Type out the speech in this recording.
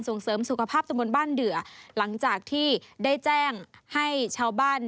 เสริมสุขภาพตะมนต์บ้านเดือหลังจากที่ได้แจ้งให้ชาวบ้าน